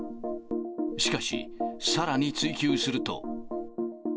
しかし、さらに追及すると。